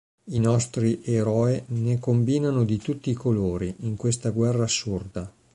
I nostri "eroi" ne combinano di tutti i colori in questa guerra assurda.